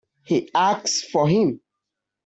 He asked for him.